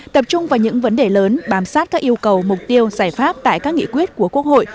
tập trung vào những vấn đề lớn bám sát các yêu cầu mục tiêu giải pháp tại các nghị quyết của quốc hội